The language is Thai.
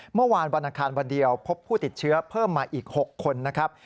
เมื่อวานวันอังคารวันเดียวพบผู้ติดเชื้อเพิ่มมาอีก๖คนนะครับ